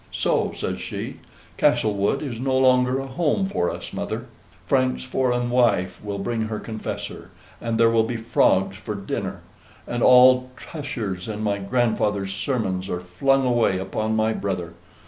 "So," says she, "Castlewood is no longer a home for us, mother. Frank's foreign wife will bring her confessor, and there will be frogs for dinner; and all Tusher's and my grandfather's sermons are flung away upon my brother.